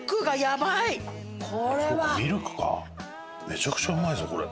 めちゃくちゃうまいぞこれ。